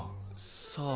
さあ？